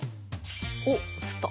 おっ映った。